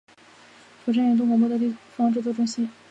釜山远东广播的地方制作中心。